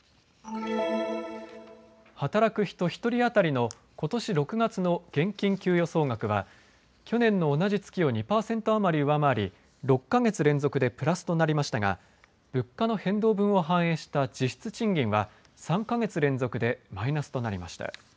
働く人１人当たりのことし６月の現金給与総額は去年の同じ月を２％余り上回り６か月連続でプラスとなりましたが物価の変動分を反映した実質賃金は３か月連続でマイナスとなりました。